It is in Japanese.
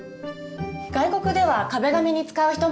外国では壁紙に使う人もいて。